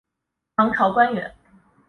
唐朝官员。